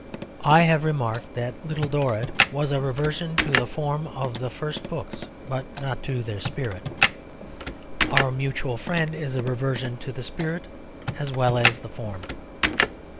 I have remarked that Little Dorrit was a reversion to the form of the first books, but not to their spirit; Our Mutual Friend is a reversion to the spirit as well as the form.